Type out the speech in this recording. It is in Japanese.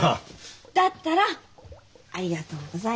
だったらありがとうございます。